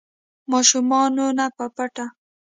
ماشومانو نه په پټه